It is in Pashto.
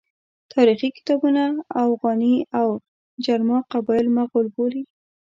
تاریخي کتابونه اوغاني او جرما قبایل مغول بولي.